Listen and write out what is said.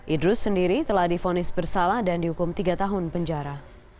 idrus sendiri telah difonis bersalah dan dihukum tiga tahun penjara